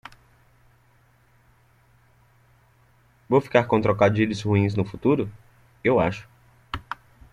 Vou ficar com trocadilhos ruins no futuro?, eu acho.